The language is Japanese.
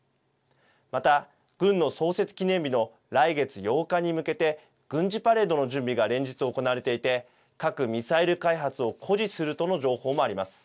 また軍の創設記念日の来月８日に向けて軍事パレードの準備が連日行われていて核・ミサイル開発を誇示するとの情報もあります。